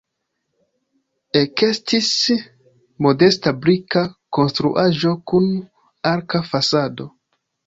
Ekestis modesta brika konstruaĵo kun arka fasado.